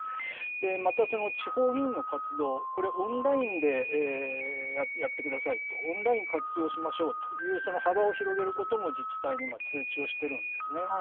また、地方議員の活動、これ、オンラインでやってくださいと、オンラインを活用しましょうという、その幅を広げることも自治体に通知をしてるんですね。